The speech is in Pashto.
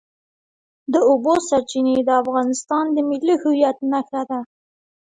د اوبو سرچینې د افغانستان د ملي هویت نښه ده.